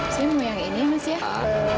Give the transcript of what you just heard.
saya mau yang ini mas ya